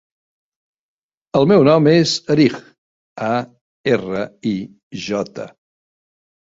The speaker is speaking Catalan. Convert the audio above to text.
El meu nom és Arij: a, erra, i, jota.